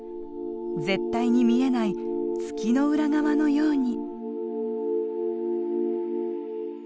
絶対に見えない月の裏側のように。